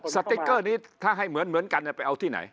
สติ๊กเกอร์นี้ถ้าให้เหมือนกันไปเอาที่ไหน